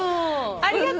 ありがとう。